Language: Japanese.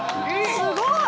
すごい！